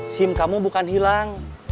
sim kamu bukan hilang